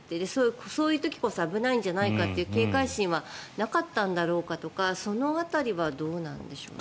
そういう時こそ危ないんじゃないかという警戒心はなかったんだろうかとかその辺りはどうなんでしょうか。